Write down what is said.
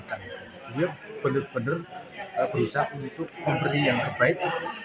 dan beliau benar benar berusaha untuk memberi yang terbaik